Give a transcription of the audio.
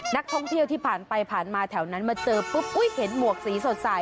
นักท่องเที่ยวที่ผ่านไปผ่านมาแถวนั้นมาเจอปุ๊บอุ๊ยเห็นหมวกสีสดใส